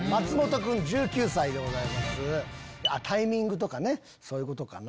タイミングとかねそういうことかな。